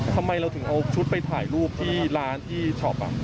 ทำไมเราถึงเอาชุดไปถ่ายรูปที่ร้านที่ช็อป